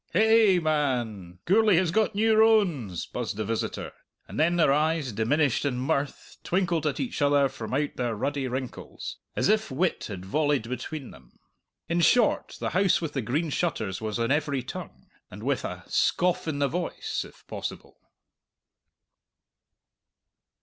"Ha ay, man, Gourlay has got new rones!" buzzed the visitor; and then their eyes, diminished in mirth, twinkled at each other from out their ruddy wrinkles, as if wit had volleyed between them. In short, the House with the Green Shutters was on every tongue and with a scoff in the voice, if possible.